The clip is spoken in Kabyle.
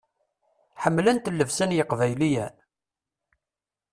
Ḥemmlent llebsa n yeqbayliyen?